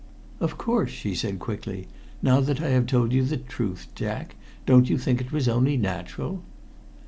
"Of course," she said quickly. "Now that I have told you the truth, Jack, don't you think it was only natural?"